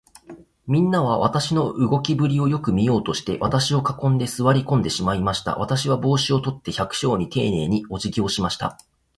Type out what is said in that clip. みんなは、私の動きぶりをよく見ようとして、私を囲んで、坐り込んでしまいました。私は帽子を取って、百姓にていねいに、おじぎをしました。